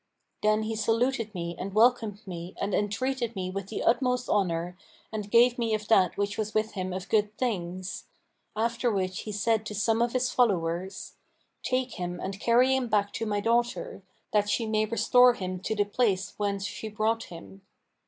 Then he saluted me and welcomed me and entreated me with the utmost honour, and gave me of that which was with him of good things; after which he said to some of his followers, 'Take him and carry him back to my daughter, that she may restore him to the place whence she brought him.'